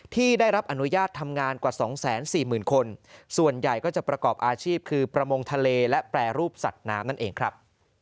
ที่ได้รับอนุญาตทำงานกว่า๒๔๐๐๐คนส่วนใหญ่ก็จะประกอบอาชีพคือประมงทะเลและแปรรูปสัตว์น้ำนั่นเองครับ